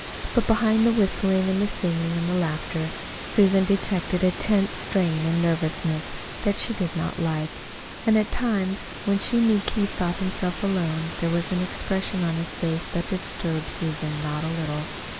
But behind the whistling and the singing and the laughter Susan detected a tense strain and nervousness that she did not like. And at times, when she knew Keith thought himself alone, there was an expression on his face that disturbed Susan not a little.